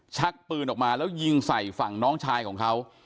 ชักปืนออกมาแล้วยิงใส่ฝั่งน้องชายของเขา